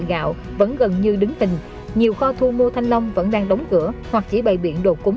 gạo vẫn gần như đứng tình nhiều kho thu mua thanh long vẫn đang đóng cửa hoặc chỉ bày biện đột cúng